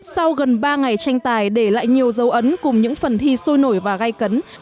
sau gần ba ngày tranh tài để lại nhiều dấu ấn cùng những phần thi sôi nổi và gây cấn